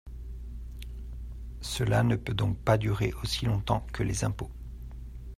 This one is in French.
Cela ne peut donc pas durer aussi longtemps que les impôts.